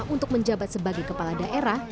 untuk menjabat sebagai kepala daerah